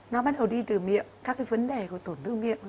nó bắt đầu đi từ miệng các cái vấn đề của tổn thương miệng